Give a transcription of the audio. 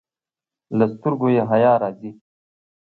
له سترګو یې حیا راځي.